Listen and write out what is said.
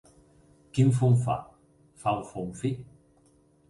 Quin fum fa? Fa un fum fi.